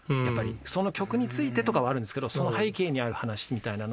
その曲についてとかはあるんですけどその背景にある話みたいなのは。